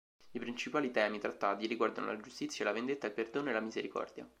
I principali temi trattati riguardano la giustizia, la vendetta, il perdono e la misericordia.